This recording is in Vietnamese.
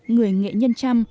người nghệ nhân trăm